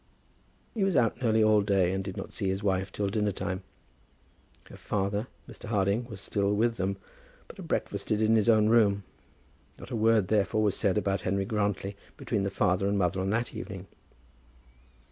He was out nearly all day, and did not see his wife till dinner time. Her father, Mr. Harding, was still with them, but had breakfasted in his own room. Not a word, therefore, was said about Henry Grantly between the father and mother on that evening.